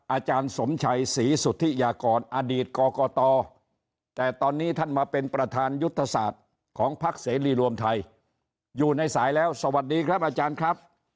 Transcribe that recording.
อาจารย์สมชัยศรีสุธิยากรอดีตกรกตแต่ตอนนี้ท่านมาเป็นประธานยุทธศาสตร์ของพักเสรีรวมไทยอยู่ในสายแล้วสวัสดีครับอาจารย์ครับ